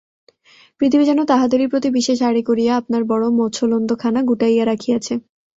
পৃথিবী যেন তাহাদেরই প্রতি বিশেষ আড়ি করিয়া আপনার বড়ো মছলন্দখানা গুটাইয়া রাখিয়াছে।